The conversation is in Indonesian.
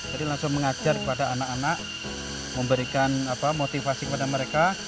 jadi langsung mengajar kepada anak anak memberikan motivasi kepada mereka